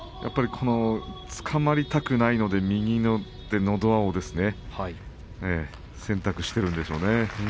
つかまりたくないので右で、のど輪を選択しているんでしょうね。